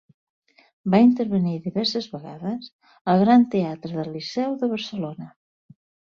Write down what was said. Va intervenir diverses vegades al Gran Teatre del Liceu de Barcelona.